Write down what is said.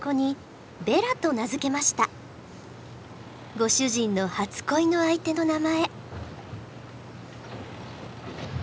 ご主人の初恋の相手の名前。